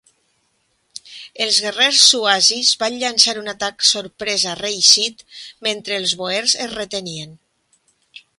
Els guerrers suazis van llançar un atac sorpresa reeixit mentre els boers es retenien.